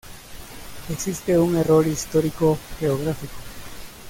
Existe un error histórico-geográfico.